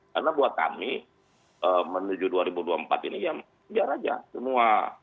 karena buat kami menuju dua ribu dua puluh empat ini ya biar aja